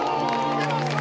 出ました！